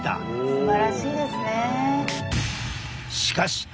すばらしいですね。